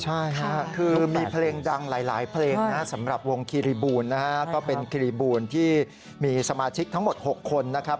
ใช่ค่ะคือมีเพลงดังหลายเพลงนะสำหรับวงคีรีบูลนะฮะก็เป็นครีบูลที่มีสมาชิกทั้งหมด๖คนนะครับ